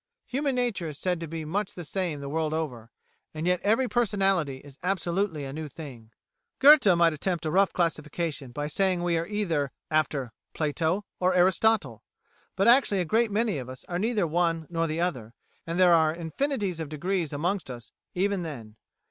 Human nature is said to be much the same the world over, and yet every personality is absolutely a new thing. Goethe might attempt a rough classification by saying we are either Platonists or Aristotelians, but actually a great many of us are neither one nor the other, and there are infinities of degrees amongst us even then.